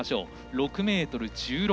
６ｍ１６。